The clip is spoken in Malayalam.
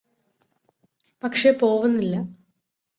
പക്ഷെ പോവുന്നില്ല